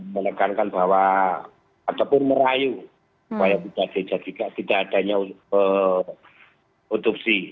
menekankan bahwa ataupun merayu bahwa bisa dijadikan tidak adanya utupsi